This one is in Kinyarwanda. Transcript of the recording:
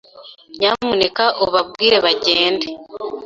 Nyamuneka ubabwire bagende.